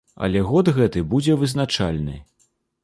Але год гэты будзе вызначальны.